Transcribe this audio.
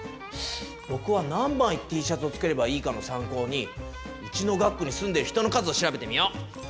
ぼくは何枚Ｔシャツを作ればいいかの参考にうちの学区に住んでる人の数を調べてみよう！